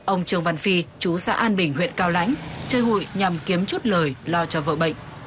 ông trường văn phi chú xã an bình huyện cao lãnh chơi hụi nhằm kiếm chút lời lo cho vợ bệnh